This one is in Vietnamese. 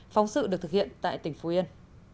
phóng sự được thực hiện tại tỉnh phú yên